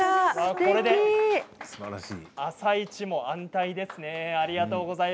これで「あさイチ」も安泰ですね。